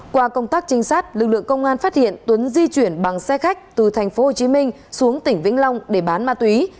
qua công tác trinh sát lực lượng công an phát hiện tuấn di chuyển bằng xe khách từ tp hcm xuống tỉnh vĩnh long để bán ma túy